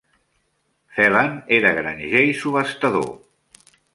Phelan era granger i subhastador.